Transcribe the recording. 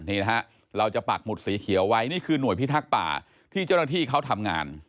นี่นะฮะเราจะปักหมุดสีเขียวไว้นี่คือหน่วยพิทักษ์ป่าที่เจ้าหน้าที่เขาทำงาน